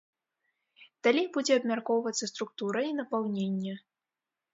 Далей будзе абмяркоўвацца структура і напаўненне.